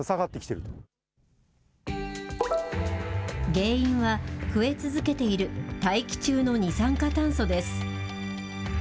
原因は増え続けている大気中の二酸化炭素です。